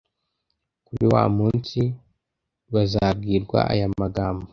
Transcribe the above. kuri wa munsi bazabwirwa aya magambo